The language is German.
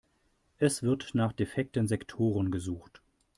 Es wird nach defekten Sektoren gesucht.